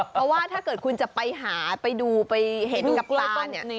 เพราะว่าถ้าเกิดคุณจะไปหาไปดูไปเห็นกับตาเนี่ย